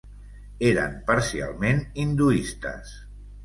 Eren parcialment hinduistes.